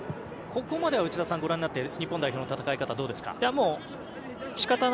ここまでは内田さんがご覧になって日本代表の戦い方どうですか？